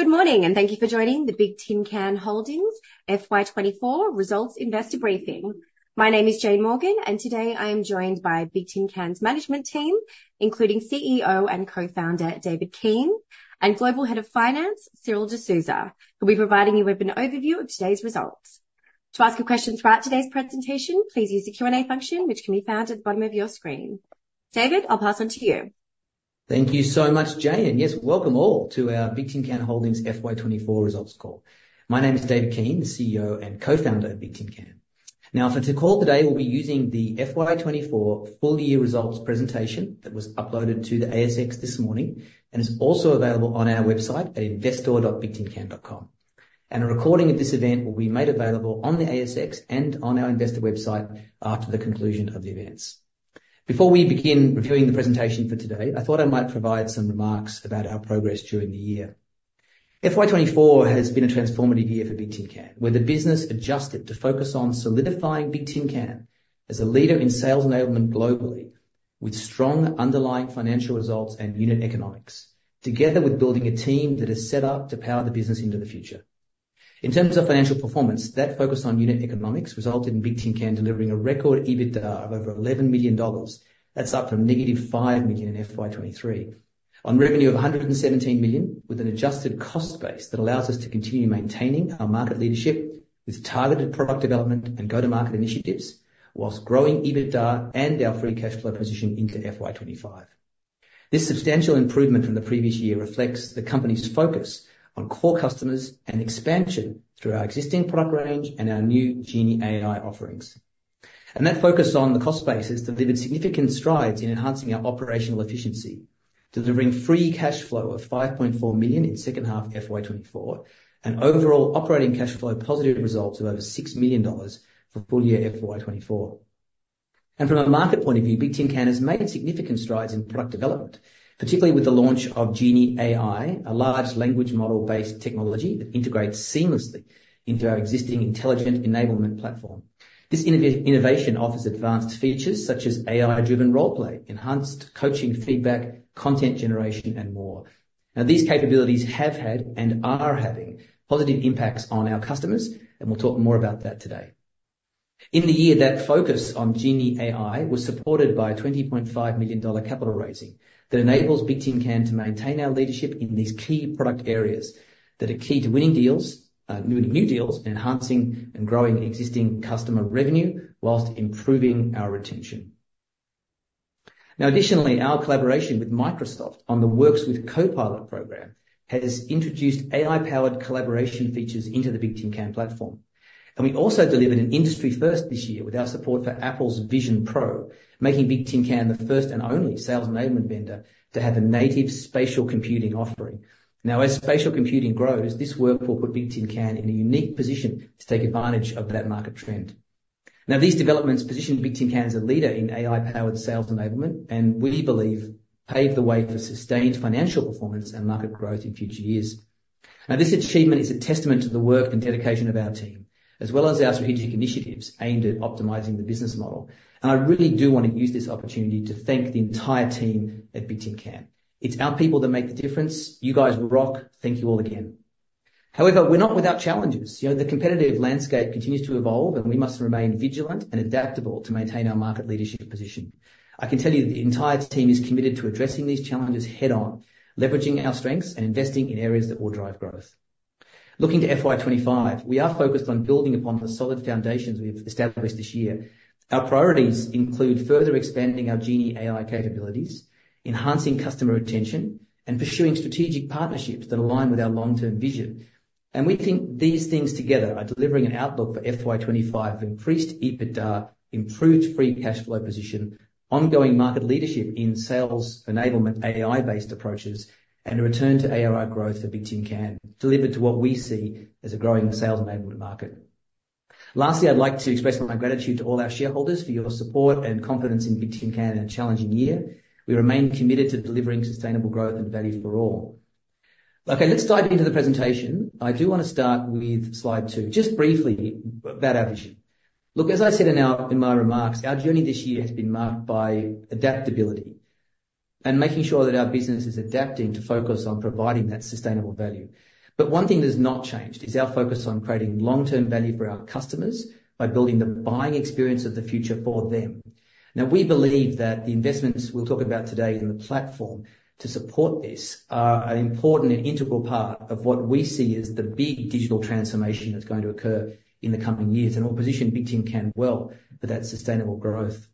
Good morning, and thank you for joining the Bigtincan Holdings FY twenty-four Results Investor Briefing. My name is Jane Morgan, and today I am joined by Bigtincan's management team, including CEO and co-founder, David Keane, and Global Head of Finance, Cyril Desouza, who'll be providing a webinar overview of today's results. To ask a question throughout today's presentation, please use the Q&A function, which can be found at the bottom of your screen. David, I'll pass on to you. Thank you so much, Jane, and yes, welcome all to our Bigtincan Holdings FY twenty-four results call. My name is David Keane, the CEO and co-founder of Bigtincan. Now, for the call today, we'll be using the FY twenty-four full year results presentation that was uploaded to the ASX this morning, and is also available on our website at investor.bigtincan.com, and a recording of this event will be made available on the ASX and on our investor website after the conclusion of the events. Before we begin reviewing the presentation for today, I thought I might provide some remarks about our progress during the year. FY 2024 has been a transformative year for Bigtincan, where the business adjusted to focus on solidifying Bigtincan as a leader in sales enablement globally, with strong underlying financial results and unit economics, together with building a team that is set up to power the business into the future. In terms of financial performance, that focus on unit economics resulted in Bigtincan delivering a record EBITDA of over AUD 11 million. That's up from negative AUD 5 million in FY 2023. On revenue of AUD AUD 117 million, with an adjusted cost base that allows us to continue maintaining our market leadership with targeted product development and go-to-market initiatives, while growing EBITDA and our free cash flow position into FY 2025. This substantial improvement from the previous year reflects the company's focus on core customers and expansion through our existing product range and our new GeniAI offerings. That focus on the cost base has delivered significant strides in enhancing our operational efficiency, delivering free cash flow of 5.4 million in second half FY 2024, and overall operating cash flow positive results of over 6 million dollars for full year FY 2024. From a market point of view, Bigtincan has made significant strides in product development, particularly with the launch of GenieAI, a large language model-based technology that integrates seamlessly into our existing intelligent enablement platform. This innovation offers advanced features such as AI-driven role play, enhanced coaching feedback, content generation, and more. Now, these capabilities have had and are having positive impacts on our customers, and we'll talk more about that today. In the year, that focus on GenieAI was supported by an AUD 20.5 million capital raising that enables Bigtincan to maintain our leadership in these key product areas that are key to winning deals, winning new deals and enhancing and growing existing customer revenue, whilst improving our retention. Now, additionally, our collaboration with Microsoft on the Works with Copilot program has introduced AI-powered collaboration features into the Bigtincan platform, and we also delivered an industry first this year with our support for Apple's Vision Pro, making Bigtincan the first and only sales enablement vendor to have a native spatial computing offering. Now, as spatial computing grows, this work will put Bigtincan in a unique position to take advantage of that market trend. Now, these developments position Bigtincan as a leader in AI-powered sales enablement, and we believe pave the way for sustained financial performance and market growth in future years. Now, this achievement is a testament to the work and dedication of our team, as well as our strategic initiatives aimed at optimizing the business model, and I really do want to use this opportunity to thank the entire team at Bigtincan. It's our people that make the difference. You guys rock. Thank you all again. However, we're not without challenges. You know, the competitive landscape continues to evolve, and we must remain vigilant and adaptable to maintain our market leadership position. I can tell you the entire team is committed to addressing these challenges head-on, leveraging our strengths and investing in areas that will drive growth. Looking to FY twenty-five, we are focused on building upon the solid foundations we've established this year. Our priorities include further expanding our GenieAI capabilities, enhancing customer retention, and pursuing strategic partnerships that align with our long-term vision, and we think these things together are delivering an outlook for FY twenty-five of increased EBITDA, improved free cash flow position, ongoing market leadership in sales enablement AI-based approaches, and a return to ARR growth for Bigtincan, delivered to what we see as a growing sales enablement market. Lastly, I'd like to express my gratitude to all our shareholders for your support and confidence in Bigtincan in a challenging year. We remain committed to delivering sustainable growth and value for all. Okay, let's dive into the presentation. I do want to start with slide two, just briefly about our vision. Look, as I said in my remarks, our journey this year has been marked by adaptability and making sure that our business is adapting to focus on providing that sustainable value. But one thing that's not changed is our focus on creating long-term value for our customers by building the buying experience of the future for them. Now, we believe that the investments we'll talk about today in the platform to support this are an important and integral part of what we see as the big digital transformation that's going to occur in the coming years and will position Bigtincan well for that sustainable growth.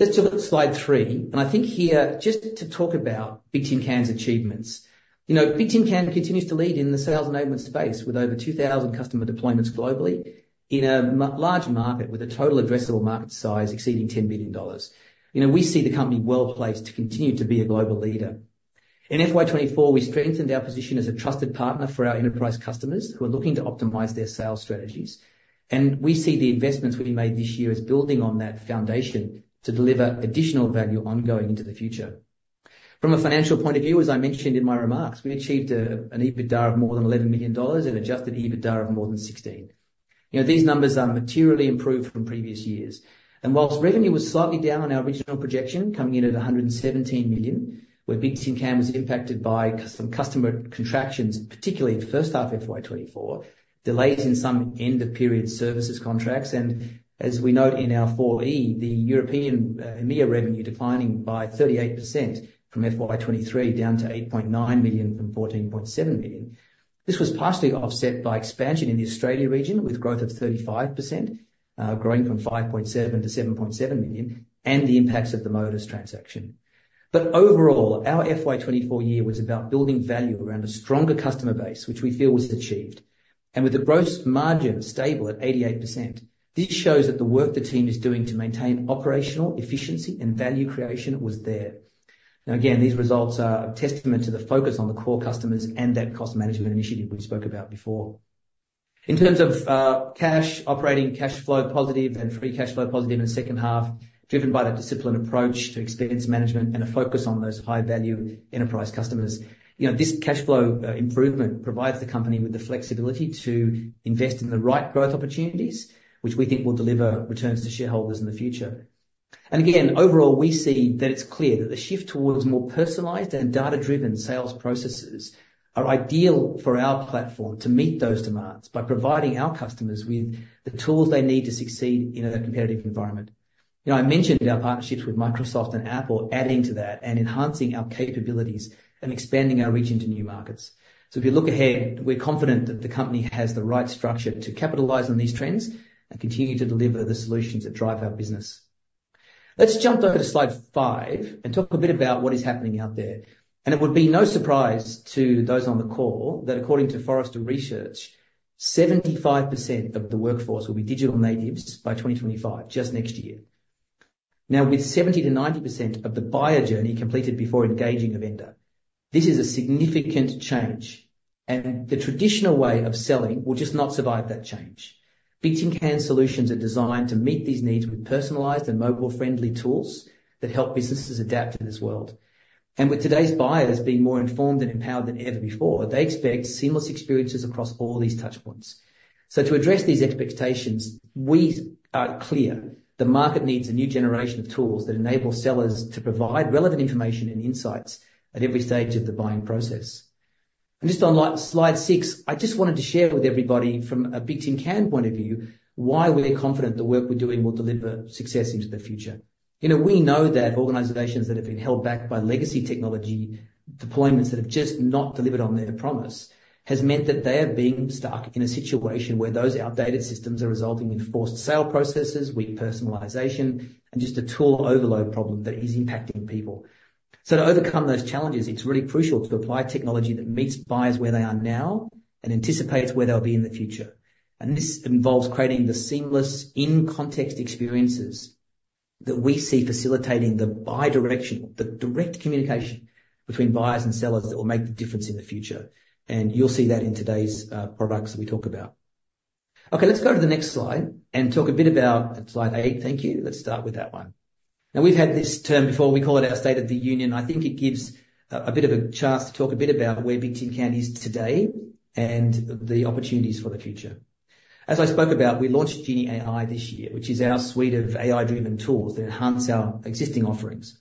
Let's look at slide three, and I think here, just to talk about Bigtincan's achievements. You know, Bigtincan continues to lead in the sales enablement space with over two thousand customer deployments globally in a large market with a total addressable market size exceeding 10 billion dollars. You know, we see the company well-placed to continue to be a global leader. In FY twenty-four, we strengthened our position as a trusted partner for our enterprise customers who are looking to optimize their sales strategies, and we see the investments we made this year as building on that foundation to deliver additional value ongoing into the future. From a financial point of view, as I mentioned in my remarks, we achieved an EBITDA of more than 11 million dollars and adjusted EBITDA of more than 16 million. You know, these numbers are materially improved from previous years. While revenue was slightly down on our original projection, coming in at 117 million, where Bigtincan was impacted by some customer contractions, particularly in the first half of FY 2024, delays in some end-of-period services contracts, and as we note in our 4E, the European EMEA revenue declining by 38% from FY 2023 down to 8.9 million from 14.7 million. This was partially offset by expansion in the Australia region, with growth of 35%, growing from 5.7 million to 7.7 million, and the impacts of the Modus transaction. Overall, our FY 2024 year was about building value around a stronger customer base, which we feel was achieved. And with the gross margin stable at 88%, this shows that the work the team is doing to maintain operational efficiency and value creation was there. Now, again, these results are a testament to the focus on the core customers and that cost management initiative we spoke about before. In terms of cash, operating cash flow positive and free cash flow positive in the second half, driven by that disciplined approach to expense management and a focus on those high-value enterprise customers. You know, this cash flow improvement provides the company with the flexibility to invest in the right growth opportunities, which we think will deliver returns to shareholders in the future. And again, overall, we see that it's clear that the shift towards more personalized and data-driven sales processes are ideal for our platform to meet those demands by providing our customers with the tools they need to succeed in a competitive environment. You know, I mentioned our partnerships with Microsoft and Apple, adding to that and enhancing our capabilities and expanding our reach into new markets. So if you look ahead, we're confident that the company has the right structure to capitalize on these trends and continue to deliver the solutions that drive our business. Let's jump over to slide five and talk a bit about what is happening out there. And it would be no surprise to those on the call that according to Forrester Research, 75% of the workforce will be digital natives by 2025, just next year. Now, with 70%-90% of the buyer journey completed before engaging a vendor, this is a significant change, and the traditional way of selling will just not survive that change. Bigtincan solutions are designed to meet these needs with personalized and mobile-friendly tools that help businesses adapt to this world, and with today's buyers being more informed and empowered than ever before, they expect seamless experiences across all these touchpoints. To address these expectations, we are clear the market needs a new generation of tools that enable sellers to provide relevant information and insights at every stage of the buying process. Just on slide six, I just wanted to share with everybody from a Bigtincan point of view, why we're confident the work we're doing will deliver success into the future. You know, we know that organizations that have been held back by legacy technology deployments that have just not delivered on their promise, has meant that they have been stuck in a situation where those outdated systems are resulting in forced sale processes, weak personalization, and just a tool overload problem that is impacting people. So to overcome those challenges, it's really crucial to apply technology that meets buyers where they are now and anticipates where they'll be in the future. And this involves creating the seamless, in-context experiences that we see facilitating the bi-directional, the direct communication between buyers and sellers that will make the difference in the future. And you'll see that in today's products that we talk about. Okay, let's go to the next slide and talk a bit about slide eight. Thank you. Let's start with that one. Now, we've had this term before. We call it our State of the Union. I think it gives a bit of a chance to talk a bit about where Bigtincan is today and the opportunities for the future. As I spoke about, we launched GenieAI this year, which is our suite of AI-driven tools that enhance our existing offerings.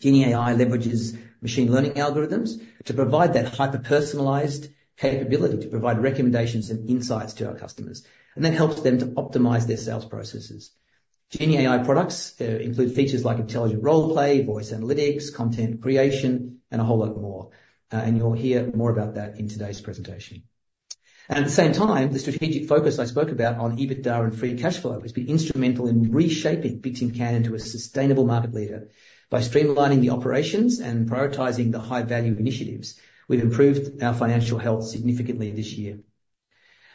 GenieAI leverages machine learning algorithms to provide that hyper-personalized capability to provide recommendations and insights to our customers, and that helps them to optimize their sales processes. GenieAI products include features like intelligent role play, voice analytics, content creation, and a whole lot more, and you'll hear more about that in today's presentation, and at the same time, the strategic focus I spoke about on EBITDA and free cash flow has been instrumental in reshaping Bigtincan into a sustainable market leader. By streamlining the operations and prioritizing the high-value initiatives, we've improved our financial health significantly this year.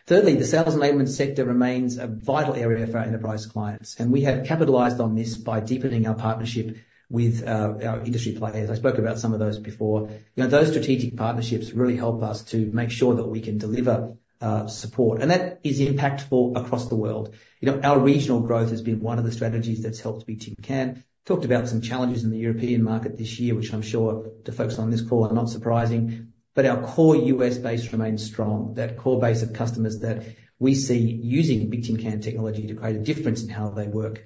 Thirdly, the sales enablement sector remains a vital area for our enterprise clients, and we have capitalized on this by deepening our partnership with our industry players. I spoke about some of those before. You know, those strategic partnerships really help us to make sure that we can deliver support, and that is impactful across the world. You know, our regional growth has been one of the strategies that's helped Bigtincan. Talked about some challenges in the European market this year, which I'm sure to focus on this call, are not surprising, but our core US base remains strong. That core base of customers that we see using Bigtincan technology to create a difference in how they work.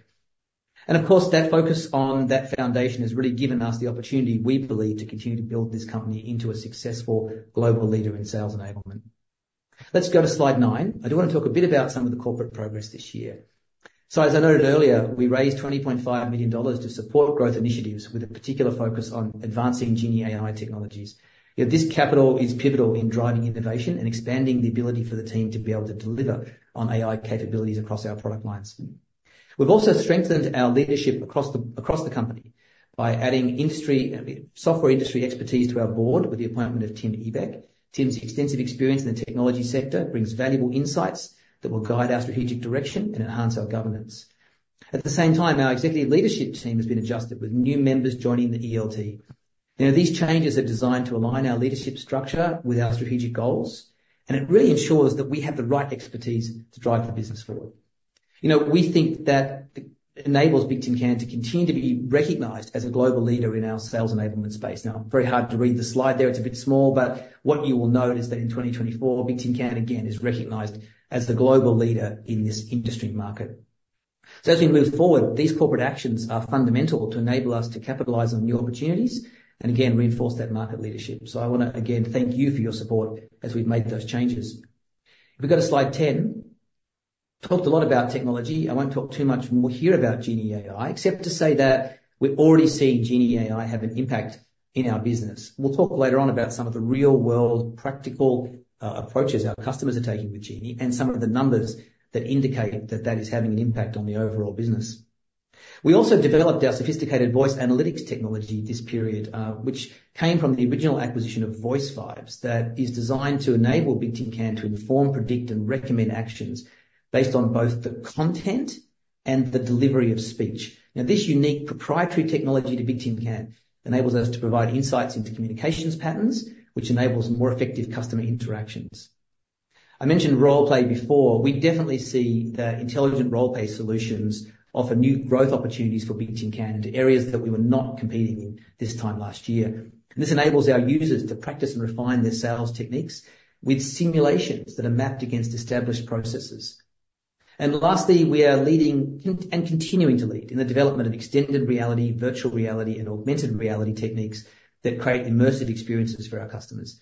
Of course, that focus on that foundation has really given us the opportunity, we believe, to continue to build this company into a successful global leader in sales enablement. Let's go to slide nine. I do want to talk a bit about some of the corporate progress this year. As I noted earlier, we raised 20.5 million dollars to support growth initiatives with a particular focus on advancing GenieAI technologies. Yet this capital is pivotal in driving innovation and expanding the ability for the team to be able to deliver on AI capabilities across our product lines. We've also strengthened our leadership across the company by adding software industry expertise to our board with the appointment of Tim Ebbeck. Tim's extensive experience in the technology sector brings valuable insights that will guide our strategic direction and enhance our governance. At the same time, our executive leadership team has been adjusted, with new members joining the ELT. You know, these changes are designed to align our leadership structure with our strategic goals, and it really ensures that we have the right expertise to drive the business forward. You know, we think that enables Bigtincan to continue to be recognized as a global leader in our sales enablement space. Now, very hard to read the slide there, it's a bit small, but what you will note is that in twenty twenty-four, Bigtincan again is recognized as the global leader in this industry market. So as we move forward, these corporate actions are fundamental to enable us to capitalize on new opportunities and again reinforce that market leadership. So I want to again thank you for your support as we've made those changes. If we go to slide 10, talked a lot about technology. I won't talk too much more here about GenieAI, except to say that we're already seeing GenieAI have an impact in our business. We'll talk later on about some of the real-world practical approaches our customers are taking with Genie and some of the numbers that indicate that that is having an impact on the overall business. We also developed our sophisticated voice analytics technology this period, which came from the original acquisition of VoiceVibes, that is designed to enable Bigtincan to inform, predict, and recommend actions based on both the content and the delivery of speech. Now, this unique proprietary technology to Bigtincan enables us to provide insights into communications patterns, which enables more effective customer interactions. I mentioned role play before. We definitely see that intelligent role play solutions offer new growth opportunities for Bigtincan to areas that we were not competing in this time last year, and this enables our users to practice and refine their sales techniques with simulations that are mapped against established processes, and lastly, we are leading and continuing to lead in the development of extended reality, virtual reality, and augmented reality techniques that create immersive experiences for our customers.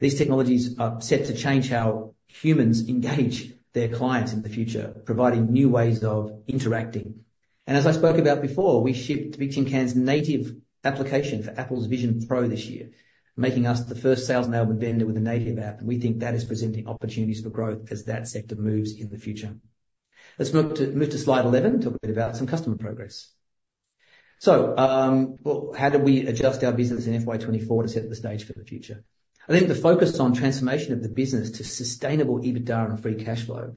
These technologies are set to change how humans engage their clients in the future, providing new ways of interacting, and as I spoke about before, we shipped Bigtincan's native application for Apple's Vision Pro this year, making us the first sales enablement vendor with a native app, and we think that is presenting opportunities for growth as that sector moves in the future. Let's move to Slide 11, talk a bit about some customer progress. So, how do we adjust our business in FY 2024 to set the stage for the future? I think the focus on transformation of the business to sustainable EBITDA and free cash flow,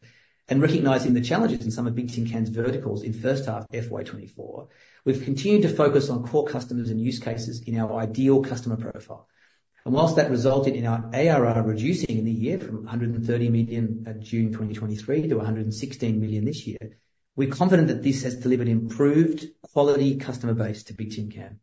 and recognizing the challenges in some of Bigtincan's verticals in first half FY 2024, we've continued to focus on core customers and use cases in our ideal customer profile. While that resulted in our ARR reducing in the year from 130 million at June 2023 to 116 million this year, we're confident that this has delivered improved quality customer base to Bigtincan.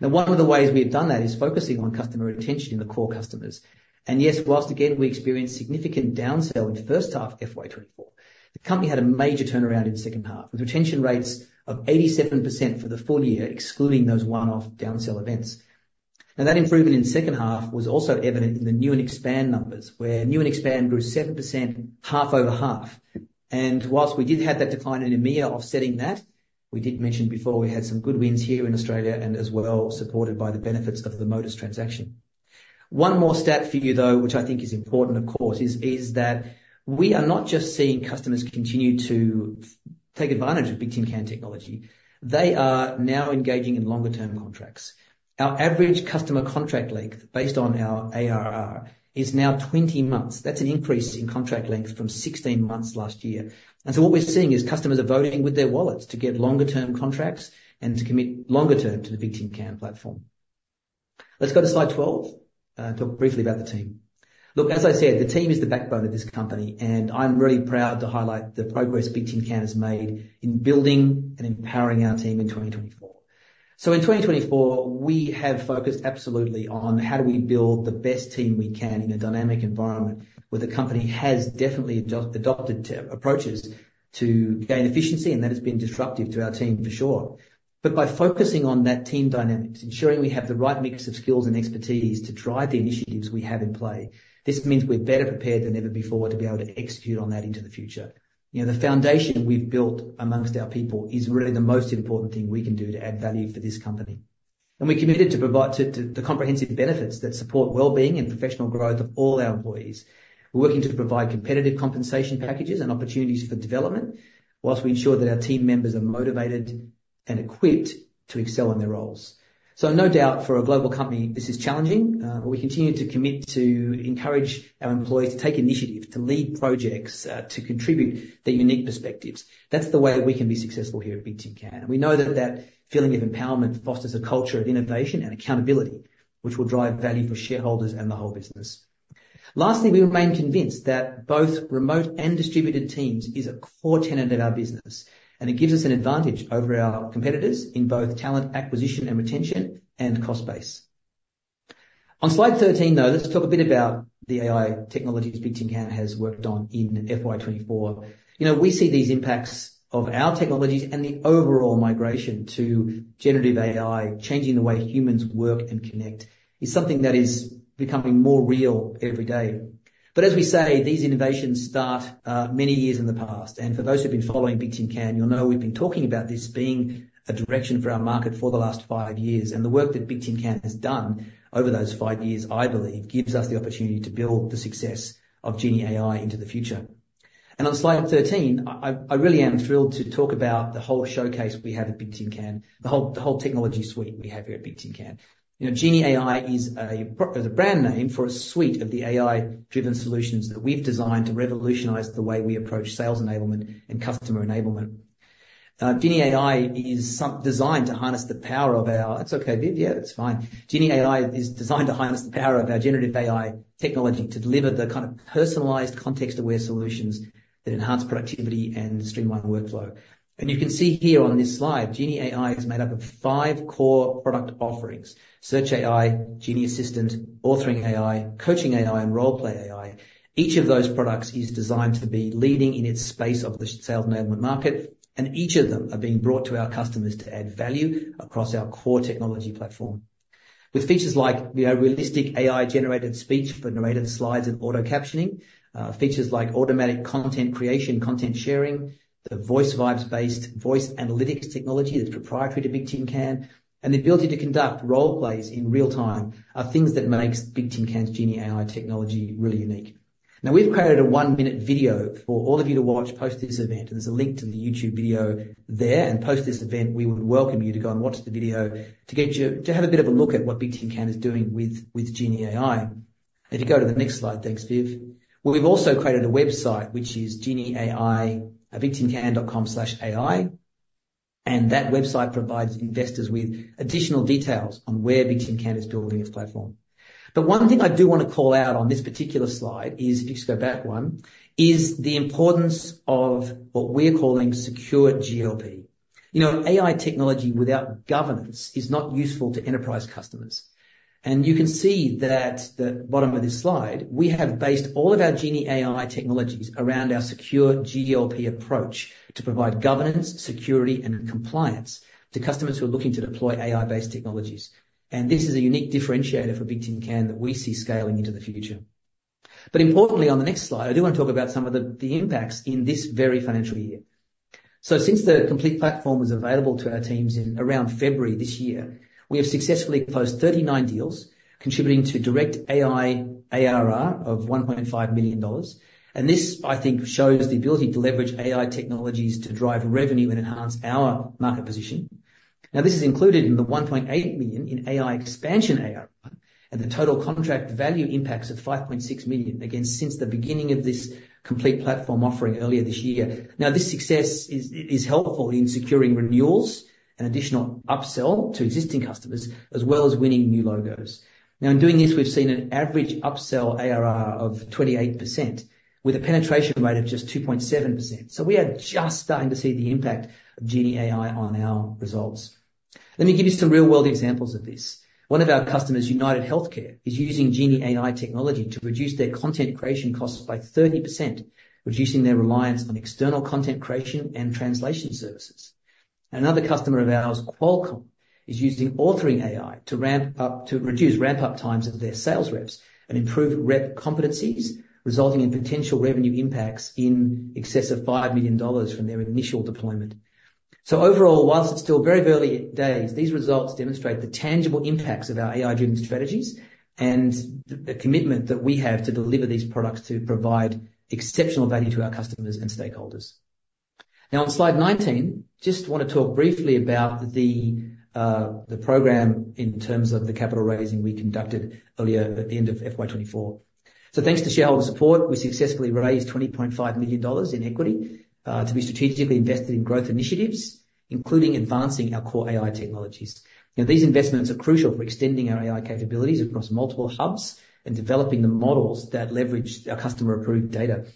Now, one of the ways we've done that is focusing on customer retention in the core customers. Yes, while again, we experienced significant downsell in the first half of FY 2024, the company had a major turnaround in second half, with retention rates of 87% for the full year, excluding those one-off downsell events. Now, that improvement in second half was also evident in the new and expand numbers, where new and expand grew 7% half over half. While we did have that decline in EMEA offsetting that, we did mention before we had some good wins here in Australia and as well, supported by the benefits of the Modus transaction. One more stat for you, though, which I think is important, of course, is that we are not just seeing customers continue to take advantage of Bigtincan technology. They are now engaging in longer term contracts. Our average customer contract length, based on our ARR, is now 20 months. That's an increase in contract length from sixteen months last year. What we're seeing is customers are voting with their wallets to get longer term contracts and to commit longer term to the Bigtincan platform. Let's go to slide 12, talk briefly about the team. Look, as I said, the team is the backbone of this company, and I'm really proud to highlight the progress Bigtincan has made in building and empowering our team in twenty twenty-four. In twenty twenty-four, we have focused absolutely on how do we build the best team we can in a dynamic environment, where the company has definitely adopted approaches to gain efficiency, and that has been disruptive to our team for sure. But by focusing on that team dynamics, ensuring we have the right mix of skills and expertise to drive the initiatives we have in play, this means we're better prepared than ever before to be able to execute on that into the future. You know, the foundation we've built amongst our people is really the most important thing we can do to add value for this company. And we're committed to provide the comprehensive benefits that support well-being and professional growth of all our employees. We're working to provide competitive compensation packages and opportunities for development, whilst we ensure that our team members are motivated and equipped to excel in their roles. So no doubt, for a global company, this is challenging, but we continue to commit to encourage our employees to take initiative, to lead projects, to contribute their unique perspectives. That's the way we can be successful here at Bigtincan. We know that that feeling of empowerment fosters a culture of innovation and accountability, which will drive value for shareholders and the whole business. Lastly, we remain convinced that both remote and distributed teams is a core tenet of our business, and it gives us an advantage over our competitors in both talent acquisition and retention, and cost base. On slide 13, though, let's talk a bit about the AI technologies Bigtincan has worked on in FY 2024. You know, we see these impacts of our technologies and the overall migration to generative AI, changing the way humans work and connect is something that is becoming more real every day. But as we say, these innovations start many years in the past, and for those who've been following Bigtincan, you'll know we've been talking about this being a direction for our market for the last five years, and the work that Bigtincan has done over those five years, I believe, gives us the opportunity to build the success of GenieAI into the future. And on slide thirteen, I really am thrilled to talk about the whole showcase we have at Bigtincan, the whole technology suite we have here at Bigtincan. You know, GenieAI is a brand name for a suite of the AI-driven solutions that we've designed to revolutionize the way we approach sales enablement and customer enablement.... GenieAI is designed to harness the power of our-- It's okay, Viv. Yeah, it's fine. GenieAI is designed to harness the power of our generative AI technology to deliver the kind of personalized, context-aware solutions that enhance productivity and streamline the workflow. You can see here on this slide, GenieAI is made up of five core product offerings: Search AI, Genie Assistant, Authoring AI, Coaching AI, and Role Play AI. Each of those products is designed to be leading in its space of the sales enablement market, and each of them are being brought to our customers to add value across our core technology platform. With features like, you know, realistic AI-generated speech for narrated slides and auto captioning, features like automatic content creation, content sharing, the VoiceVibes-based voice analytics technology that's proprietary to Bigtincan, and the ability to conduct role plays in real time, are things that makes Bigtincan's GenieAI technology really unique. Now, we've created a one-minute video for all of you to watch post this event, and there's a link to the YouTube video there, and post this event, we would welcome you to go and watch the video to get you to have a bit of a look at what Bigtincan is doing with GenieAI. And if you go to the next slide. Thanks, Viv. Well, we've also created a website, which is genieai.bigtincan.com/ai, and that website provides investors with additional details on where Bigtincan is building its platform. But one thing I do want to call out on this particular slide is, if you just go back one, is the importance of what we're calling secure GLP. You know, AI technology without governance is not useful to enterprise customers. You can see that at the bottom of this slide, we have based all of our GenieAI technologies around our secure GLP approach to provide governance, security, and compliance to customers who are looking to deploy AI-based technologies. This is a unique differentiator for Bigtincan that we see scaling into the future. Importantly, on the next slide, I do want to talk about some of the impacts in this very financial year. Since the complete platform was available to our teams in around February this year, we have successfully closed 39 deals, contributing to direct AI ARR of 1.5 million dollars. This, I think, shows the ability to leverage AI technologies to drive revenue and enhance our market position. Now, this is included in the 1.8 million in AI expansion ARR, and the total contract value impacts of 5.6 million, again, since the beginning of this complete platform offering earlier this year. Now this success is helpful in securing renewals and additional upsell to existing customers, as well as winning new logos. Now, in doing this, we've seen an average upsell ARR of 28%, with a penetration rate of just 2.7%. So we are just starting to see the impact of GenieAI on our results. Let me give you some real-world examples of this. One of our customers, UnitedHealthcare, is using GenieAI technology to reduce their content creation costs by 30%, reducing their reliance on external content creation and translation services. Another customer of ours, Qualcomm, is using Authoring AI to reduce ramp-up times of their sales reps and improve rep competencies, resulting in potential revenue impacts in excess of 5 million dollars from their initial deployment. So overall, while it's still very early days, these results demonstrate the tangible impacts of our AI-driven strategies and the commitment that we have to deliver these products to provide exceptional value to our customers and stakeholders. Now, on slide 19, just want to talk briefly about the program in terms of the capital raising we conducted earlier at the end of FY 2024. So thanks to shareholder support, we successfully raised 20.5 million dollars in equity to be strategically invested in growth initiatives, including advancing our core AI technologies. Now, these investments are crucial for extending our AI capabilities across multiple hubs and developing the models that leverage our customer-approved data.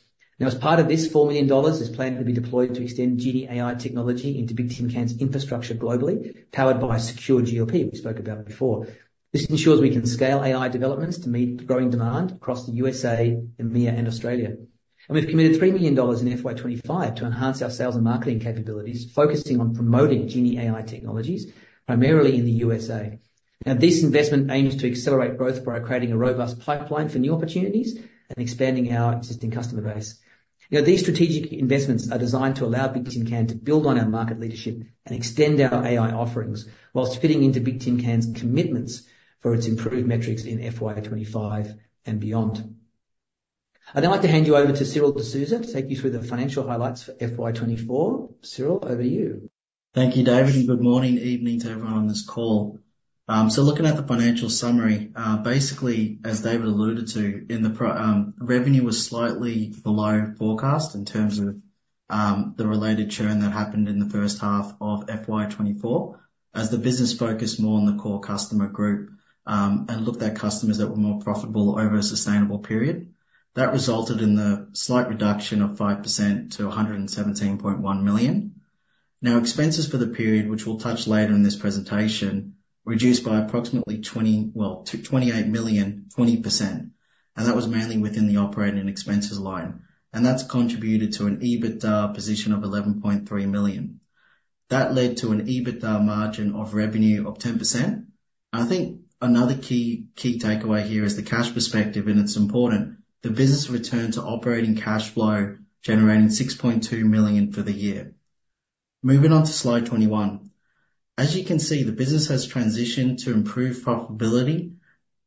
Now, as part of this, 4 million dollars is planned to be deployed to extend GenieAI technology into Bigtincan's infrastructure globally, powered by Secure GLP, we spoke about before. This ensures we can scale AI developments to meet the growing demand across the USA, EMEA, and Australia. We've committed 3 million dollars in FY 2025 to enhance our sales and marketing capabilities, focusing on promoting GenieAI technologies, primarily in the USA. Now, this investment aims to accelerate growth by creating a robust pipeline for new opportunities and expanding our existing customer base. You know, these strategic investments are designed to allow Bigtincan to build on our market leadership and extend our AI offerings, while fitting into Bigtincan's commitments for its improved metrics in FY twenty-five and beyond. I'd now like to hand you over to Cyril Desouza to take you through the financial highlights for FY twenty-four. Cyril, over to you. Thank you, David, and good morning, evening to everyone on this call. So looking at the financial summary, basically, as David alluded to, in the pro forma revenue was slightly below forecast in terms of the related churn that happened in the first half of FY 2024. As the business focused more on the core customer group, and looked at customers that were more profitable over a sustainable period, that resulted in the slight reduction of 5% to 117.1 million. Now, expenses for the period, which we'll touch later in this presentation, reduced by approximately twenty-eight million, 20%, and that was mainly within the operating expenses line, and that's contributed to an EBITDA position of 11.3 million. That led to an EBITDA margin of revenue of 10%. I think another key, key takeaway here is the cash perspective, and it's important. The business returned to operating cash flow, generating 6.2 million for the year. Moving on to slide 21. As you can see, the business has transitioned to improved profitability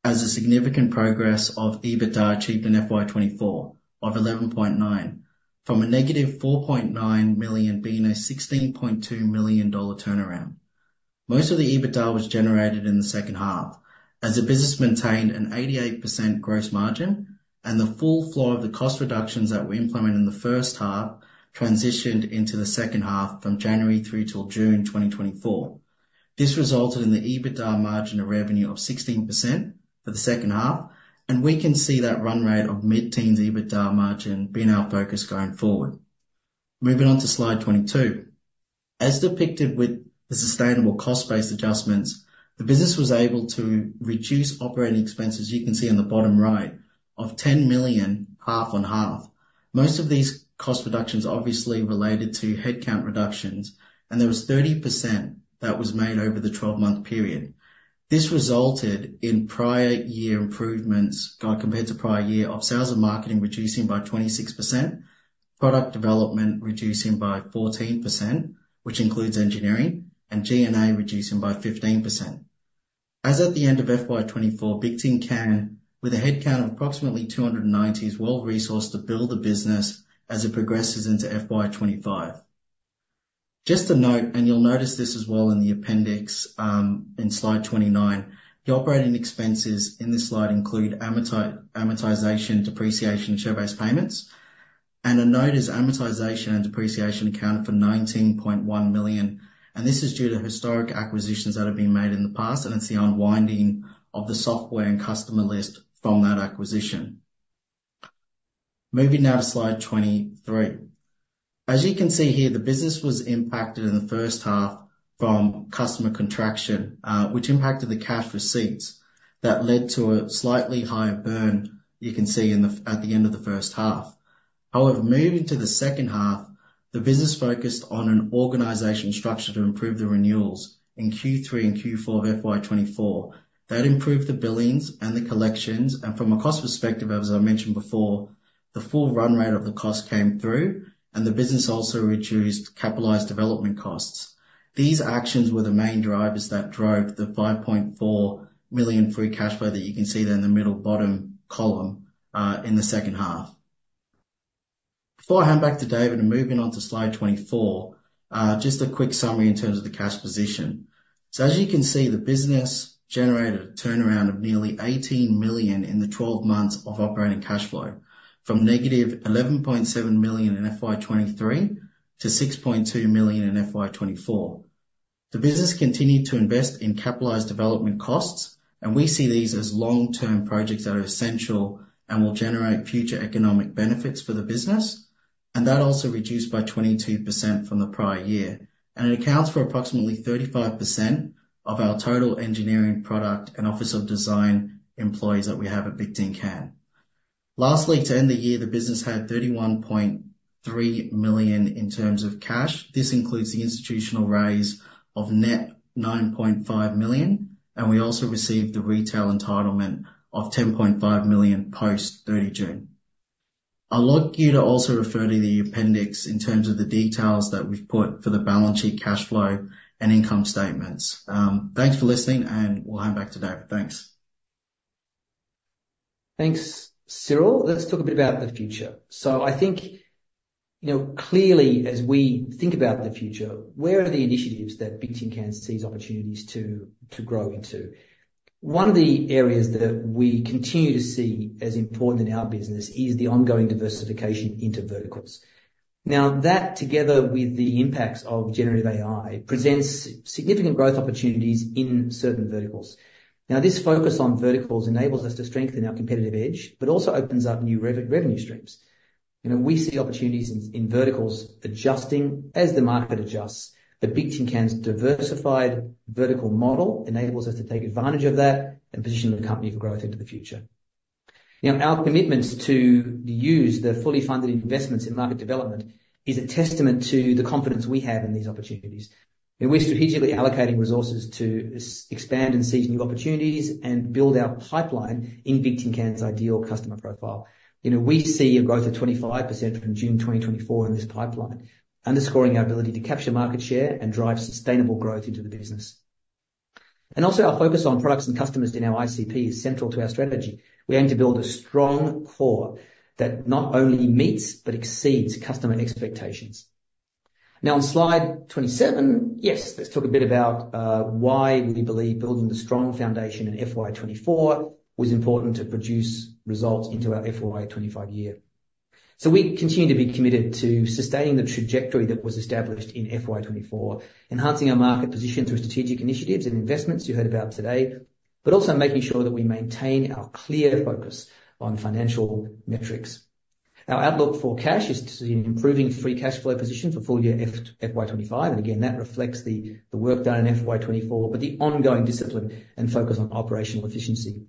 as a significant progress of EBITDA achieved in FY 2024 of 11.9 million, from a negative 4.9 million, being a 16.2 million dollar turnaround. Most of the EBITDA was generated in the second half, as the business maintained an 88% gross margin and the full flow of the cost reductions that we implemented in the first half transitioned into the second half from January through till June 2024. This resulted in the EBITDA margin of revenue of 16% for the second half, and we can see that run rate of mid-teens EBITDA margin being our focus going forward. Moving on to slide 22. As depicted with the sustainable cost-based adjustments, the business was able to reduce operating expenses, you can see on the bottom right, of 10 million, half on half. Most of these cost reductions obviously related to headcount reductions, and there was 30% that was made over the twelve-month period. This resulted in prior year improvements, compared to prior year, of sales and marketing reducing by 26%, product development reducing by 14%, which includes engineering, and G&A reducing by 15%. As at the end of FY 2024, Bigtincan, with a headcount of approximately 290, is well resourced to build the business as it progresses into FY 2025. Just a note, and you'll notice this as well in the appendix, in slide 29. The operating expenses in this slide include amortization, depreciation, and share-based payments. A note is amortization and depreciation accounted for 19.1 million, and this is due to historic acquisitions that have been made in the past, and it's the unwinding of the software and customer list from that acquisition. Moving now to slide 23. As you can see here, the business was impacted in the first half from customer contraction, which impacted the cash receipts that led to a slightly higher burn, you can see in the, at the end of the first half. However, moving to the second half, the business focused on an organization structure to improve the renewals in Q3 and Q4 of FY 2024. That improved the billings and the collections, and from a cost perspective, as I mentioned before, the full run rate of the cost came through, and the business also reduced capitalized development costs. These actions were the main drivers that drove the 5.4 million free cash flow that you can see there in the middle bottom column, in the second half. Before I hand back to David and moving on to slide 24, just a quick summary in terms of the cash position. So as you can see, the business generated a turnaround of nearly 18 million in the twelve months of operating cash flow, from negative 11.7 million in FY 2023 to 6.2 million in FY 2024. The business continued to invest in capitalized development costs, and we see these as long-term projects that are essential and will generate future economic benefits for the business, and that also reduced by 22% from the prior year. It accounts for approximately 35% of our total engineering product and office of design employees that we have at Bigtincan. Lastly, to end the year, the business had AUD 31.3 million in terms of cash. This includes the institutional raise of net AUD 9.5 million, and we also received the retail entitlement of AUD 10.5 million post 30 June. I'd like you to also refer to the appendix in terms of the details that we've put for the balance sheet, cash flow, and income statements. Thanks for listening, and we'll hand back to David. Thanks. Thanks, Cyril. Let's talk a bit about the future. So I think, you know, clearly, as we think about the future, where are the initiatives that Bigtincan sees opportunities to grow into? One of the areas that we continue to see as important in our business is the ongoing diversification into verticals. Now, that together with the impacts of generative AI, presents significant growth opportunities in certain verticals. Now, this focus on verticals enables us to strengthen our competitive edge, but also opens up new revenue streams. You know, we see opportunities in verticals adjusting as the market adjusts. The Bigtincan's diversified vertical model enables us to take advantage of that and position the company for growth into the future. Now, our commitments to use the fully funded investments in market development is a testament to the confidence we have in these opportunities. We're strategically allocating resources to expand and seize new opportunities and build our pipeline in Bigtincan's ideal customer profile. You know, we see a growth of 25% from June 2024 in this pipeline, underscoring our ability to capture market share and drive sustainable growth into the business. Also, our focus on products and customers in our ICP is central to our strategy. We aim to build a strong core that not only meets but exceeds customer expectations. Now, on slide 27, let's talk a bit about why we believe building the strong foundation in FY 2024 was important to produce results into our FY 2025 year. So we continue to be committed to sustaining the trajectory that was established in FY 2024, enhancing our market position through strategic initiatives and investments you heard about today, but also making sure that we maintain our clear focus on financial metrics. Our outlook for cash is to see an improving free cash flow position for full year FY 2025, and again, that reflects the work done in FY 2024, but the ongoing discipline and focus on operational efficiency.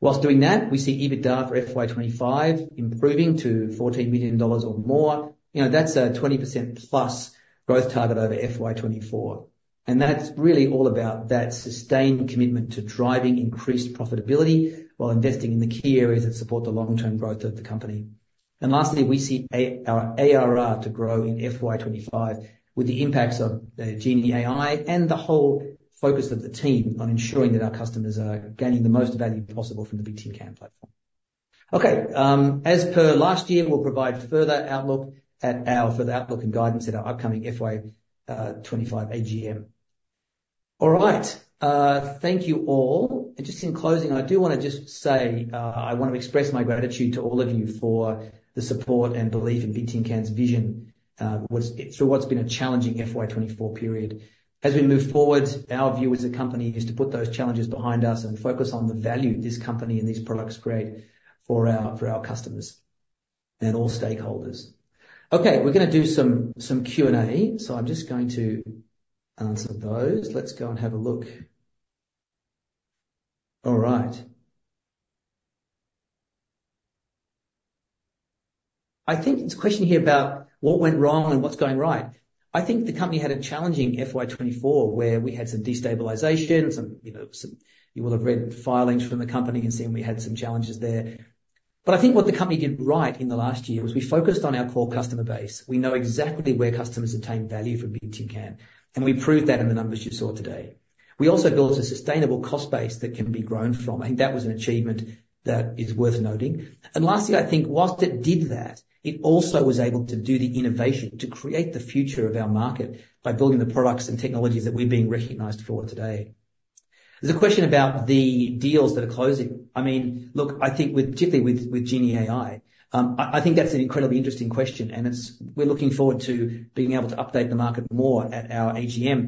While doing that, we see EBITDA for FY 2025 improving to AUD 14 million or more. You know, that's a 20% plus growth target over FY 2024, and that's really all about that sustained commitment to driving increased profitability while investing in the key areas that support the long-term growth of the company. And lastly, we see our ARR to grow in FY 2025 with the impacts of GenieAI and the whole focus of the team on ensuring that our customers are gaining the most value possible from the Bigtincan platform. Okay, as per last year, we'll provide further outlook and guidance at our upcoming FY 2025 AGM. All right. Thank you all. And just in closing, I do want to just say, I want to express my gratitude to all of you for the support and belief in Bigtincan's vision through what's been a challenging FY 2024 period. As we move forward, our view as a company is to put those challenges behind us and focus on the value this company and these products create for our customers and all stakeholders. Okay, we're going to do some Q&A, so I'm just going to answer those. Let's go and have a look. All right. I think there's a question here about what went wrong and what's going right. I think the company had a challenging FY twenty-four, where we had some destabilization, you know. You will have read filings from the company and seen we had some challenges there. But I think what the company did right in the last year was we focused on our core customer base. We know exactly where customers obtain value from Bigtincan, and we proved that in the numbers you saw today. We also built a sustainable cost base that can be grown from. I think that was an achievement that is worth noting. Lastly, I think while it did that, it also was able to do the innovation to create the future of our market by building the products and technologies that we're being recognized for today. There's a question about the deals that are closing. I mean, look, I think particularly with GenieAI, I think that's an incredibly interesting question, and it's we're looking forward to being able to update the market more at our AGM.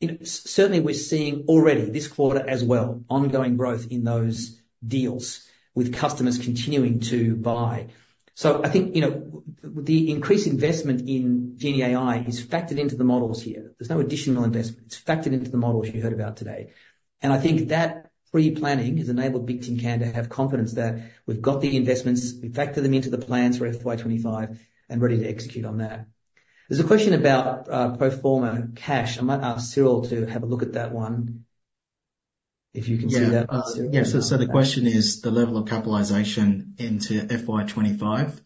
You know, certainly, we're seeing already this quarter as well, ongoing growth in those deals with customers continuing to buy. So I think, you know, the increased investment in GenieAI is factored into the models here. There's no additional investment. It's factored into the models you heard about today, and I think that pre-planning has enabled Bigtincan to have confidence that we've got the investments, we've factored them into the plans for FY twenty-five, and ready to execute on that. There's a question about, pro forma cash. I might ask Cyril to have a look at that one, if you can see that, Cyril? Yeah. Yes, so the question is the level of capitalization into FY 2025,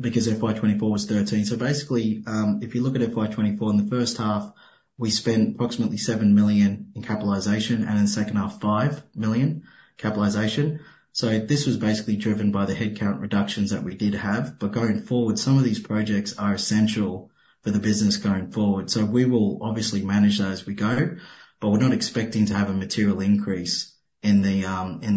because FY 2024 was 13 million. So basically, if you look at FY 2024, in the first half, we spent approximately 7 million in capitalization, and in the second half, 5 million capitalization. So this was basically driven by the headcount reductions that we did have. But going forward, some of these projects are essential for the business going forward. So we will obviously manage that as we go, but we're not expecting to have a material increase in the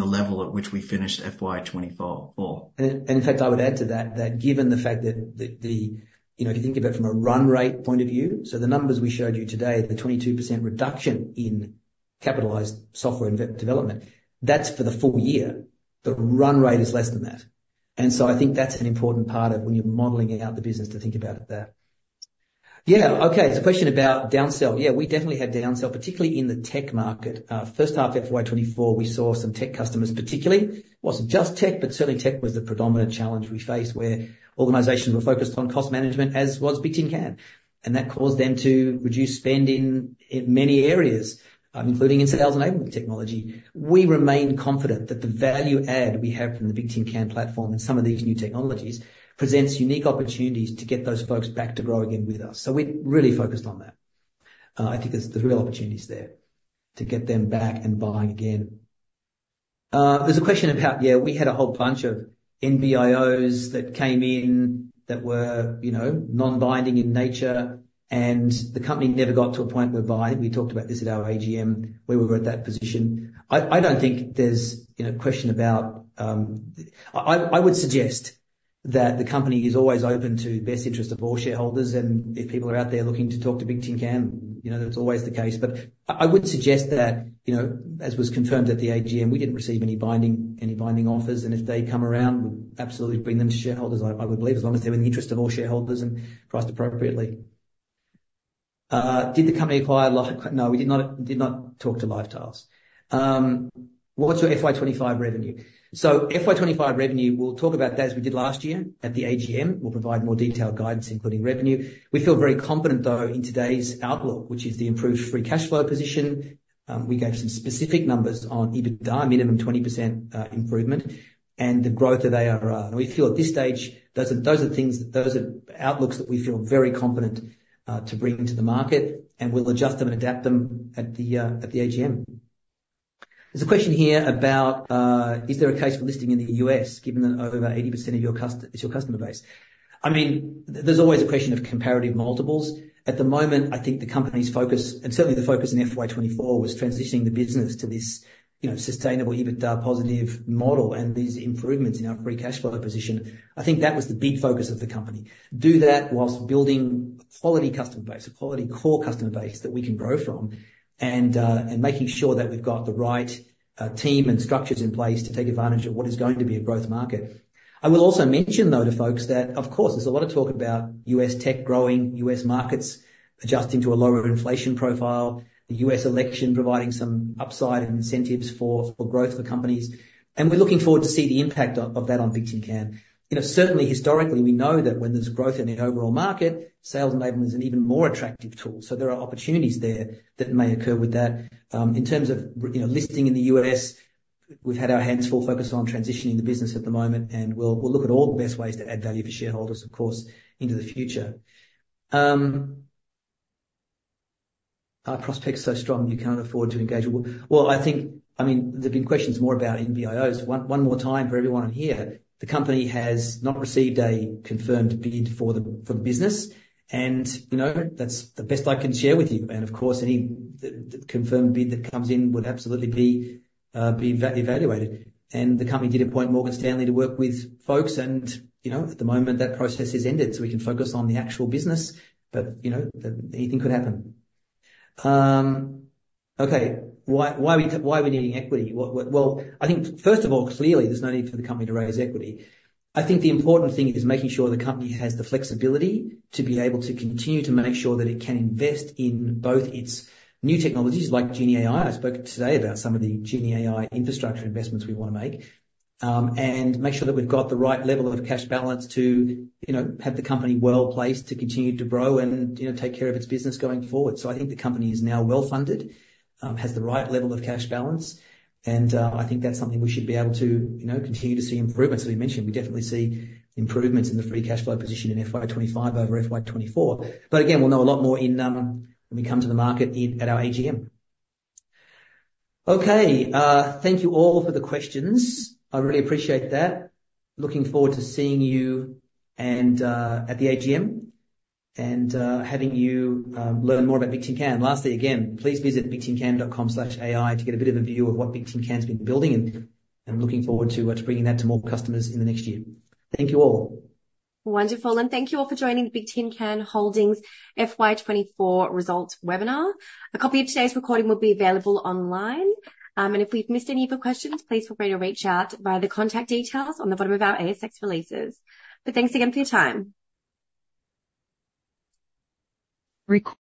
level at which we finished FY 2024 for. In fact, I would add to that, that given the fact that the you know, if you think about it from a run rate point of view, so the numbers we showed you today, the 22% reduction in capitalized software dev, development, that's for the full year. The run rate is less than that. And so I think that's an important part of when you're modeling out the business to think about it there. Yeah, okay. There's a question about downsell. Yeah, we definitely had downsell, particularly in the tech market. First half FY 2024, we saw some tech customers, particularly. It wasn't just tech, but certainly tech was the predominant challenge we faced, where organizations were focused on cost management, as was Bigtincan, and that caused them to reduce spend in many areas, including in sales enabling technology. We remain confident that the value add we have from the Bigtincan platform and some of these new technologies presents unique opportunities to get those folks back to growing again with us, so we're really focused on that. I think there's real opportunities there to get them back and buying again. There's a question about... Yeah, we had a whole bunch of NBIOs that came in that were, you know, non-binding in nature, and the company never got to a point whereby we talked about this at our AGM, where we were at that position. I would suggest that the company is always open to best interest of all shareholders, and if people are out there looking to talk to Bigtincan, you know, that's always the case. But I would suggest that, you know, as was confirmed at the AGM, we didn't receive any binding offers, and if they come around, we'd absolutely bring them to shareholders. I would believe, as long as they're in the interest of all shareholders and priced appropriately. Did the company acquire LiveTiles? No, we did not talk to LiveTiles. What's your FY 2025 revenue? So FY 2025 revenue, we'll talk about that as we did last year at the AGM. We'll provide more detailed guidance, including revenue. We feel very confident, though, in today's outlook, which is the improved free cash flow position. We gave some specific numbers on EBITDA, minimum 20% improvement, and the growth of ARR. And we feel at this stage, those are, those are things, those are outlooks that we feel very confident to bring to the market, and we'll adjust them and adapt them at the AGM. There's a question here about is there a case for listing in the U.S., given that over 80% of your customers is your customer base? I mean, there's always a question of comparative multiples. At the moment, I think the company's focus, and certainly the focus in FY twenty-four, was transitioning the business to this, you know, sustainable EBITDA positive model and these improvements in our free cash flow position. I think that was the big focus of the company. Do that while building a quality customer base, a quality core customer base that we can grow from, and making sure that we've got the right team and structures in place to take advantage of what is going to be a growth market. I will also mention, though, to folks, that, of course, there's a lot of talk about U.S. tech growing, U.S. markets adjusting to a lower inflation profile, the U.S. election providing some upside and incentives for growth for companies, and we're looking forward to see the impact of that on Bigtincan. You know, certainly historically, we know that when there's growth in the overall market, sales enablement is an even more attractive tool. So there are opportunities there that may occur with that. In terms of, you know, listing in the U.S., we've had our hands full focused on transitioning the business at the moment, and we'll look at all the best ways to add value for shareholders, of course, into the future. Are prospects so strong you can't afford to engage? Well, I think, I mean, there have been questions more about NBIOs. One more time for everyone on here, the company has not received a confirmed bid for the business, and, you know, that's the best I can share with you. And of course, any confirmed bid that comes in would absolutely be evaluated. And the company did appoint Morgan Stanley to work with folks, and, you know, at the moment, that process has ended, so we can focus on the actual business, but, you know, anything could happen. Okay, why are we needing equity? Well, I think first of all, clearly, there's no need for the company to raise equity. I think the important thing is making sure the company has the flexibility to be able to continue to make sure that it can invest in both its new technologies, like GenieAI. I spoke today about some of the GenieAI infrastructure investments we wanna make, and make sure that we've got the right level of cash balance to, you know, have the company well-placed to continue to grow and, you know, take care of its business going forward. So I think the company is now well-funded, has the right level of cash balance, and I think that's something we should be able to, you know, continue to see improvements. As we mentioned, we definitely see improvements in the free cash flow position in FY twenty-five over FY twenty-four. But again, we'll know a lot more in when we come to the market in at our AGM. Okay, thank you all for the questions. I really appreciate that. Looking forward to seeing you and at the AGM, and having you learn more about Bigtincan. Lastly, again, please visit bigtincan.com/ai to get a bit of a view of what Bigtincan's been building, and looking forward to bringing that to more customers in the next year. Thank you all. Wonderful and thank you all for joining the Bigtincan Holdings FY twenty-four results webinar. A copy of today's recording will be available online, and if we've missed any of your questions, please feel free to reach out via the contact details on the bottom of our ASX releases. But thanks again for your time. Record-